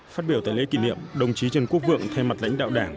phát biểu tại lễ kỷ niệm đồng chí trần quốc vượng thay mặt lãnh đạo đảng